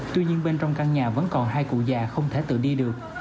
tuy nhiên bên trong căn nhà vẫn còn hai cụ già không thể tự đi được